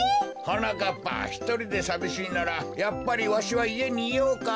はなかっぱひとりでさびしいならやっぱりわしはいえにいようか？